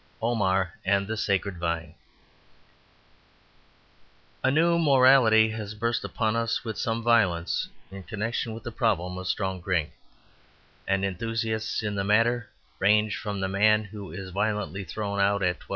Omar and the Sacred Vine A new morality has burst upon us with some violence in connection with the problem of strong drink; and enthusiasts in the matter range from the man who is violently thrown out at 12.